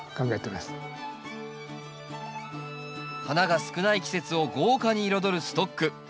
花が少ない季節を豪華に彩るストック。